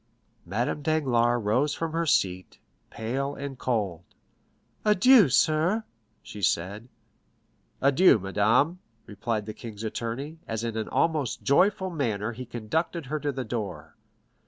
Madame Danglars rose from her seat, pale and cold. "Adieu, sir," she said. "Adieu, madame," replied the king's attorney, as in an almost joyful manner he conducted her to the door.